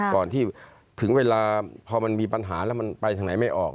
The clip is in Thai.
ก่อนที่ถึงเวลาพอมันมีปัญหาแล้วมันไปทางไหนไม่ออก